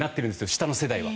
下の世代は。